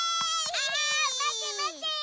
あまてまて！